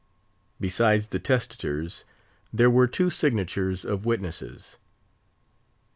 Besides the testator's, there were two signatures of witnesses.